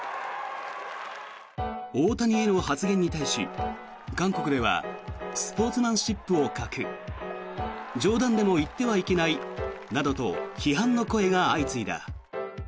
大谷への発言に対し、韓国ではスポーツマンシップを欠く冗談でも言ってはいけないなどと批判の声が相次いだ。